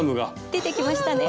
出てきましたね。